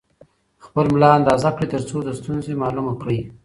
خپل ملا اندازه کړئ ترڅو د ستونزې معلومه کړئ.